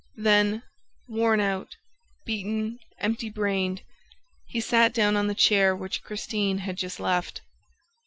Then, worn out, beaten, empty brained, he sat down on the chair which Christine had just left.